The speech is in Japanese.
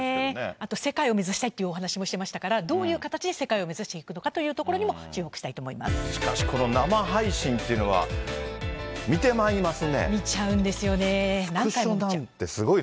あと、世界を目指したいというお話もしていましたから、どういう形で世界を目指していくのかというところにも注目したい久留米の土砂崩れ、新しい情報が入ってきました。